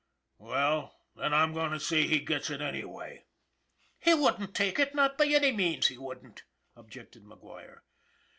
Well, then, I'm goin' to see he gets it anyway." " He wouldn't take it, not by any means, he wouldn't," objected McGuire.